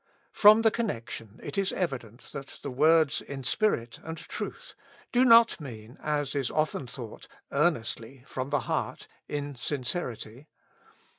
'' From the connection it is evident that the words "in spirit and truth" do not mean, as is often thought, earnestly, from the heart, in sincerity.